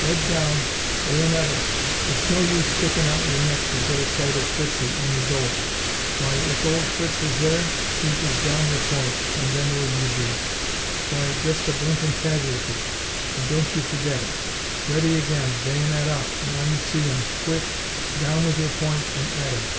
'Ead down, bayonet up ... it's no use stickin' out your neck to get a sight of Fritzie in 'is 'ole. Why, if old Fritz was there, 'e'd just down your point, and then where'd you be? Why, just a blinkin' casualty, and don't you forget it. Ready again, bayonet up. Now you see 'em. Quick, down with your point and at 'im.